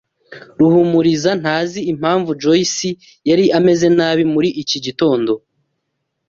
Ruhumuriza ntazi impamvu Joyce yari ameze nabi muri iki gitondo.